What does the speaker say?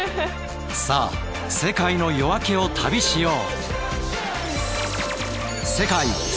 さあ世界の夜明けを旅しよう！